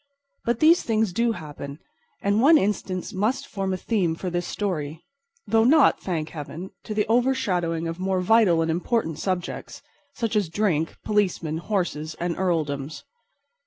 But these things do happen; and one instance must form a theme for this story—though not, thank Heaven, to the overshadowing of more vital and important subjects, such as drink, policemen, horses and earldoms.